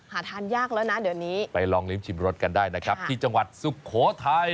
หาทานยากแล้วนะเดี๋ยวนี้ไปลองลิ้มชิมรสกันได้นะครับที่จังหวัดสุโขทัย